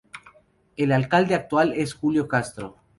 El alcalde actual es Julio Castro.